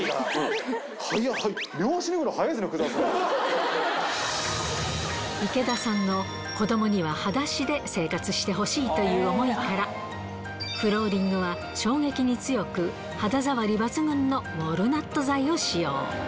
両足脱ぐの速いですね、池田さんの、子どもにははだしで生活してほしいという思いから、フローリングは、衝撃に強く、肌触り抜群のウォルナット材を使用。